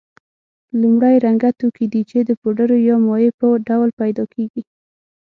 لومړی رنګه توکي دي چې د پوډرو یا مایع په ډول پیدا کیږي.